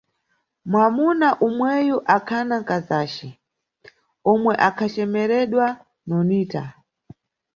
Mwamuna umweyu akhana nkazace, omwe akhacemeredwa Nonita.